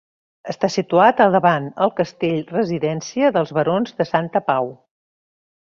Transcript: Està situat davant el castell residència dels barons de Santa Pau.